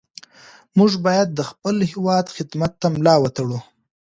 موږ باید د خپل هېواد خدمت ته ملا وتړو.